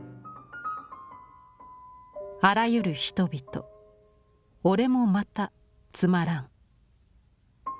「あらゆる人々俺も又つまらん」。